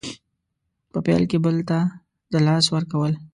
په پیل کې بل ته د لاس ورکول